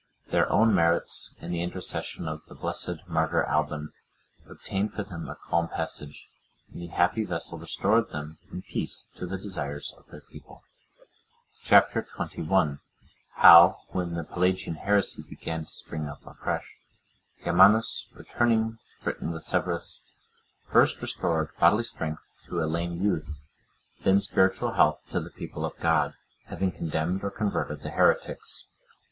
Their own merits, and the intercession of the blessed martyr Alban, obtained for them a calm passage, and the happy vessel restored them in peace to the desires of their people. Chap. XXI. How, when the Pelagian heresy began to spring up afresh, Germanus, returning to Britain with Severus, first restored bodily strength to a lame youth, then spiritual health to the people of God, having condemned or converted the Heretics.